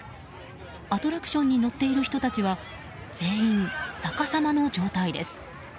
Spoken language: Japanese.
アトラクションに乗っている人たちは全員逆さまの状態です。